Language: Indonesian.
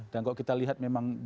dan kalau kita lihat memang